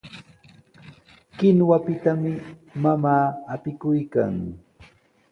Kinuwapitami mamaa apikuykan.